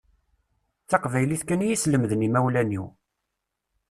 D taqbaylit kan i yi-islemden imawlan-iw.